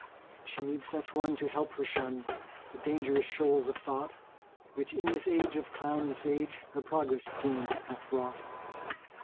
She needs such one to help her shun The dangerous shoals of thought, Which in this age of clown and sage Her progress gained hath wrought.